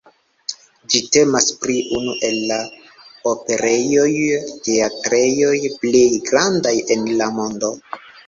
Ĝi temas pri unu el la operejoj-teatrejoj plej grandaj en la mondo.